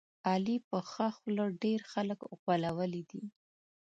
علي په ښه خوله ډېر خلک غولولي دي.